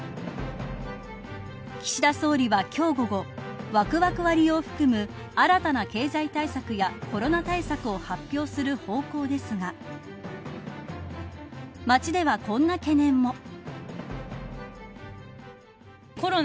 岸田総理は今日午後ワクワク割を含む新たな経済対策やコロナ対策を発表する方向ですが街ではこんな懸念も。